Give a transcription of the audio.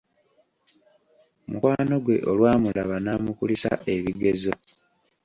Mukwano gwe olwamulaba n'amukulisa ebigezo.